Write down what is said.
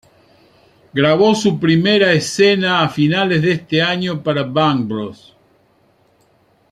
Grabó su primeras escena a finales de ese año para Bang Bros.